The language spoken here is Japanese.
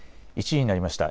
１時になりました。